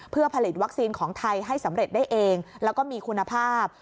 เพื่อผลิตวัคซีนของไทยให้สำเร็จได้เองแล้วก็มีคุณภาพ